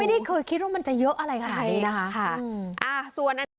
ไม่ได้เคยคิดว่ามันจะเยอะอะไรขนาดนี้นะคะค่ะอ่าส่วน